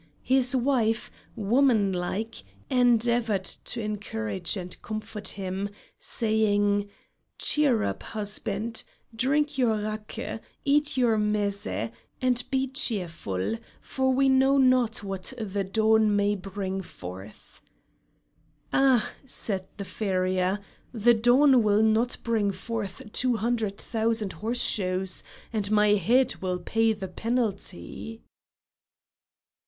His wife, woman like, endeavored to encourage and comfort him, saying: "Cheer up, husband, drink your raki, eat your mézé, and be cheerful, for we know not what the dawn may bring forth." "Ah!" said the farrier, "the dawn will not bring forth two hundred thousand horseshoes, and my head will pay the penalty."